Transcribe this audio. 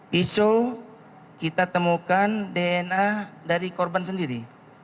pisau kita temukan dna dari korban sendiri